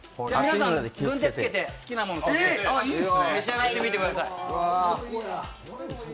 軍手つけて好きなものを取って召し上がってください。